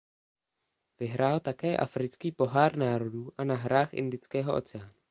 Vyhrál také africký pohár národů a na hrách Indického oceánu.